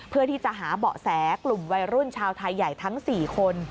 เพื่อที่จะหาเบาะแสกลุ่มวัยรุ่นชาวไทยใหญ่ทั้ง๔คน